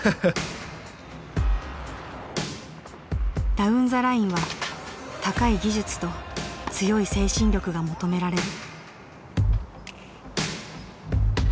ダウン・ザ・ラインは“高い技術”と“強い精神力”が求められる。